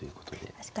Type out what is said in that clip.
確かに。